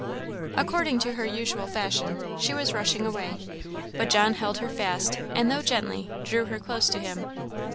According to her usual fashion, she was rushing away; but John held her fast, and, though gently, drew her close to him.